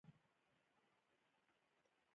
که پښتو کمزورې شي نو پښتون به هم له نقشه څخه ورک شي.